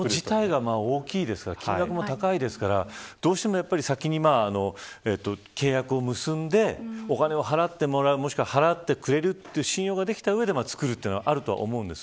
物自体が大きくて金額を高いですからどうしても先に、契約を結んでお金を払ってもらう、もしくは信用ができた上で作るというのはあると思うんです。